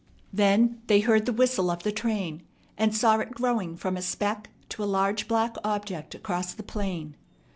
Then they heard the whistle of the train, and saw it growing from a speck to a large black object across the plain.